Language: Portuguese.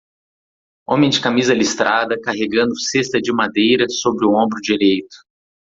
homem de camisa listrada carregando cesta de madeira sobre o ombro direito